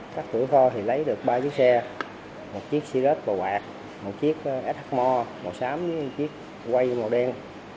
các cửa kho thì lấy được ba chiếc xe một chiếc xí rết bầu quạt một chiếc shm màu xám với một chiếc quay màu đen